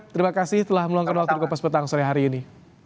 terima kasih telah meluangkan waktu di kompas petang sore hari ini